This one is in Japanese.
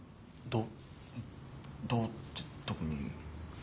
どう「どう？」って特に。